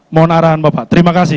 mohon arahan bapak terima kasih